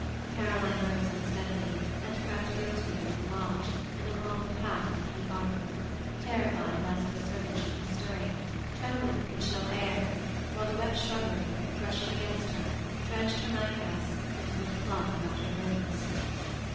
Caroline rose unsteadily and crept guiltily from the lodge and along the path under the arbor, terrified lest the servants should be stirring, trembling with the chill air, while the wet shrubbery, brushing against her, drenched her nightdress until it clung about her limbs.